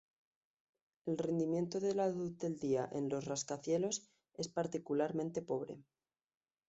El rendimiento de la luz del día en los rascacielos es particularmente pobre.